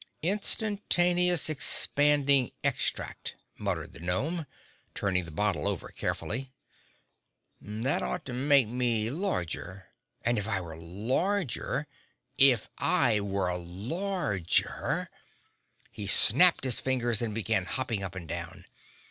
"Instantaneous Expanding Extract," muttered the gnome, turning the bottle over carefully. "That ought to make me larger—and if I were larger—if I were larger!" He snapped his fingers and began hopping up and down.